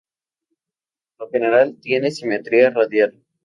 Por lo general tienen simetría radial.